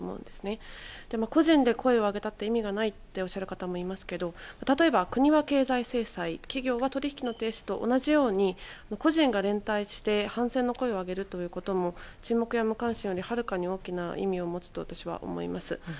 でも個人で声を上げたって意味がないとおっしゃる方もいますが例えば、国は経済制裁企業は取引の停止と同じように、個人が連帯して反戦の声を上げるということもはるかな大きな意味を持つと私は思います。